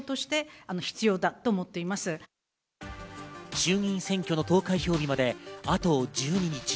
衆議院選挙の投開票日まであと１２日。